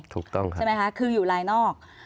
ถูกต้องใช่ไหมคะคืออยู่ลายนอก